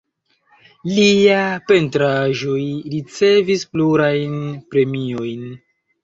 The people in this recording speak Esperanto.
Liaj pentraĵoj ricevis plurajn premiojn.